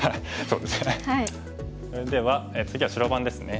それでは次は白番ですね。